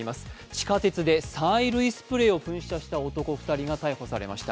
地下鉄で催涙スプレーを噴射した男２人が逮捕されました。